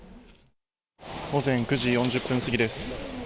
午前９時４０分過ぎです。